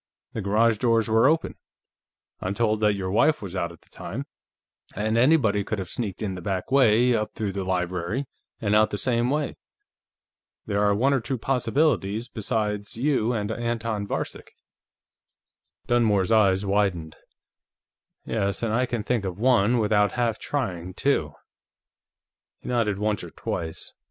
The garage doors were open I'm told that your wife was out at the time and anybody could have sneaked in the back way, up through the library, and out the same way. There are one or two possibilities besides you and Anton Varcek." Dunmore's eyes widened. "Yes, and I can think of one, without half trying, too!" He nodded once or twice.